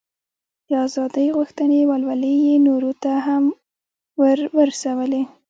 د ازادۍ غوښتنې ولولې یې نورو ته هم ور ورسولې.